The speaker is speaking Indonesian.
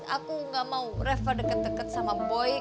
aku gak mau reva deket deket sama boy